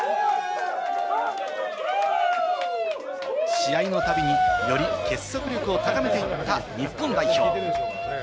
試合のたびに、より結束力を高めていった日本代表。